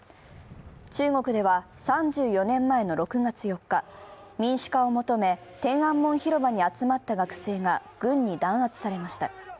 中国では３４年前の６月４日、民主化を求め天安門広場に集まった学生が軍に弾圧されました。